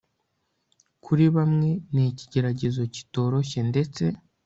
Kuri bamwe ni ikigeragezo kitoroshye ndetse